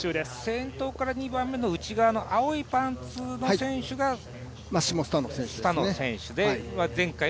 先頭から２番目の内側の青いパンツの選手がマッシモ・スタノ。